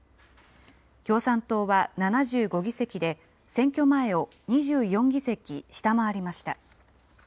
共産党は７５議席で、選挙前を２４議席下回りました。